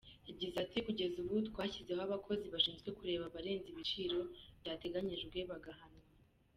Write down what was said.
Yagize ati “Kugeza ubu twashyizeho abakozi bashinzwe kureba abarenza ibiciro byatenganyijwe bagahanwa.